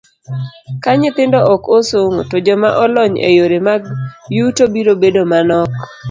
Ka nyithindo ok osomo, to joma olony e yore mag yuto biro bedo manok.